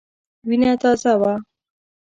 وینه تازه وه.